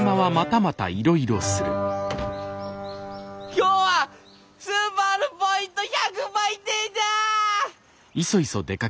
今日はスーパーのポイント１００倍デーだ！